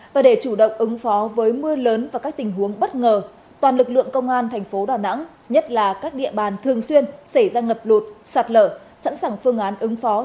và để chủ động ứng phó với mưa lớn và các tình huống bất ngờ toàn lực lượng công an thành phố đà nẵng nhất là các địa bàn thường xuyên xảy ra ngập lụt sạt lở sẵn sàng phương án ứng phó